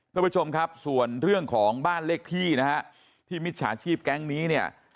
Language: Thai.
ท่านผู้ชมครับส่วนเรื่องของบ้านเลขที่นะฮะที่มิจฉาชีพแก๊งนี้เนี่ย